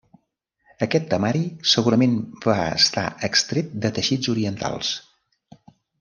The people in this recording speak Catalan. Aquest temari segurament va estar extret de teixits orientals.